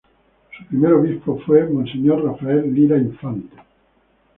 Su primer obispo fue monseñor Rafael Lira Infante.